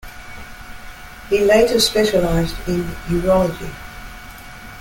He later specialised in urology.